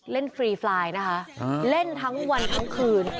ฟรีไฟล์นะคะเล่นทั้งวันทั้งคืน